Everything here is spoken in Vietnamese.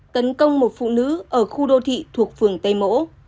tấn công một phụ nữ ở khu đô thị thuộc phường tây mỗ